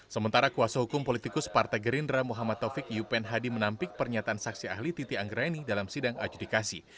sementara kuasa hukum politikus partai gerindra muhammad taufik yupen hadi menampik pernyataan saksi ahli titi anggraini dalam sidang adjudikasi